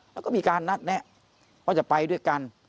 แล้วก็มีการนัดแนะว่าจะไปด้วยกัน